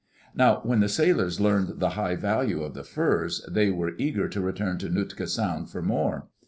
Now when the sailors learned the high value of the furs, they were eager to return to Nootka Sound for more.